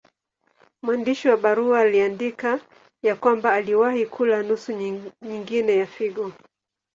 Mwandishi wa barua aliandika ya kwamba aliwahi kula nusu nyingine ya figo.